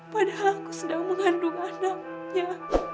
padahal aku sedang mengandung anaknya